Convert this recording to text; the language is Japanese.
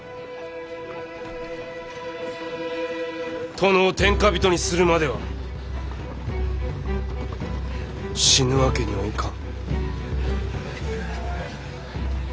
殿を天下人にするまでは死ぬわけにはいかん。